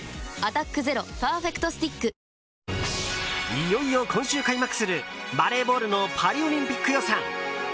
いよいよ今週開幕するバレーボールのパリオリンピック予選。